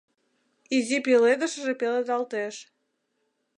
Изи пеледышыже пеледалтеш